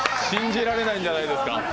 信じられないんじゃないですか？